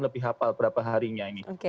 lebih hafal berapa harinya ini